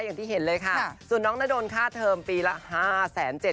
อย่างที่เห็นเลยค่ะส่วนน้องนดลค่าเทอมปีละ๕๗๐๐บาท